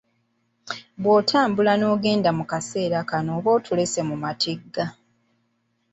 Bwotambula n'ogenda mu kaseera kano oba otulese mu matigga.